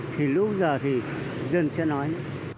thì lúc giờ thì dân sẽ nói